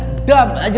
iya kan gitu pak ya